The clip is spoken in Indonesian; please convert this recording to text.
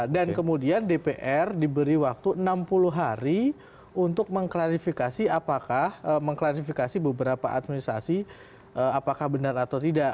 dan kemudian dpr diberi waktu enam puluh hari untuk mengklarifikasi apakah mengklarifikasi beberapa administrasi apakah benar atau tidak